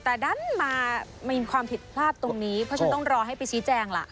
แต่ดันมามีความผิดพลาดตรงนี้เพราะฉะนั้นต้องรอให้ไปชี้แจงล่ะ